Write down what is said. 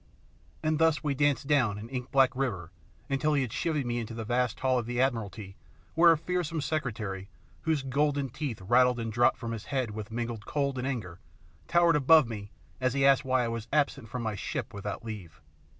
And thus we danced down an ink black river until he had chiveyed me into the vast hall of the Admiralty, where a fearsome Secretary, whose golden teeth rattled and dropped from his head with mingled cold and anger, towered above me as he asked why I was absent from my ship without leave.